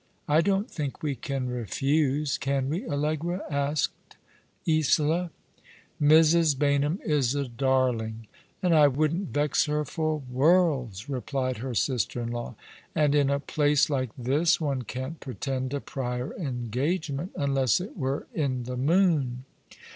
I don't think we can refuse, can we, AUegra ?" asked Isola. !" Mrs. Baynham is a darling, and I wouldn't vex her for worlds/* replied her sister in law. " And in a place like this one can't pretend a prior engagement, unless it were in the moon."